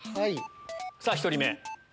さぁ１人目。